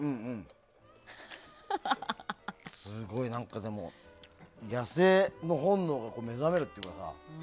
すごい、何か、でも野生の本能が目覚めるっていうのかな。